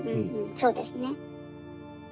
そうですね。